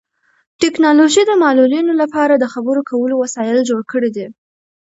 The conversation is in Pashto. ټیکنالوژي د معلولینو لپاره د خبرو کولو وسایل جوړ کړي دي.